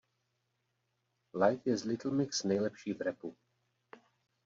Leigh je z Little Mix nejlepší v rapu.